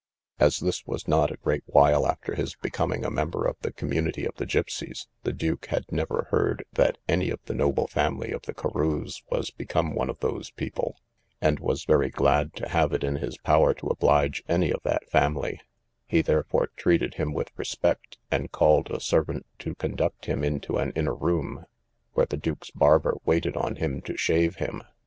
As this was not a great while after his becoming a member of the community of the gipseys, the duke had never heard that any of the noble family of the Carews was become one of those people; and was very glad to have it in his power to oblige any of that family; he therefore treated him with respect, and called a servant to conduct him into an inner room, where the duke's barber waited on him to shave him.